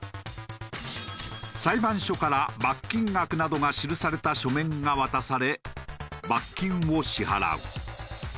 裁判所から罰金額などが記された書面が渡され罰金を支払う。